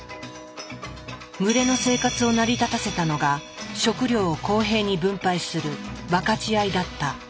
群れの生活を成り立たせたのが食料を公平に分配する分かち合いだった。